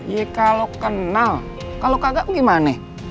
iya kalau kenal kalau kagak gimana